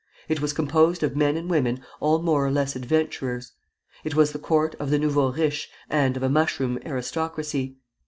It was composed of men and women all more or less adventurers. It was the court of the nouveaux riches and of a mushroom aristocracy.